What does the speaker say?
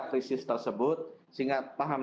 krisis tersebut sehingga paham